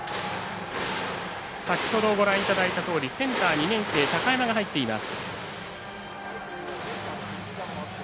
先ほどご覧いただいたとおりセンターに２年生の高山が入っています。